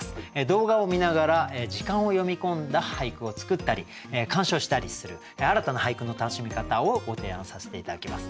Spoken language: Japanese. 動画を観ながら時間を詠み込んだ俳句を作ったり鑑賞したりする新たな俳句の楽しみ方をご提案させて頂きます。